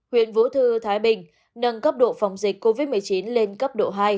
huyện vũ thư thái bình nâng cấp độ phòng dịch covid một mươi chín lên cấp độ hai